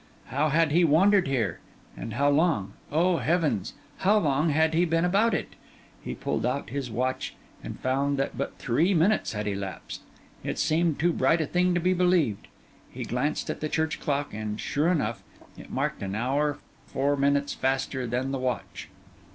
How had he wandered there? and how long—oh, heavens! how long had he been about it? He pulled out his watch; and found that but three minutes had elapsed. It seemed too bright a thing to be believed. He glanced at the church clock; and sure enough, it marked an hour four minutes faster than the watch.